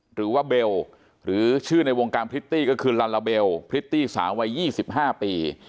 หรือว่าเบลหรือชื่อในวงการพริตตี้ก็คือลาลาเบลพริตตี้สาววัย๒๕ปี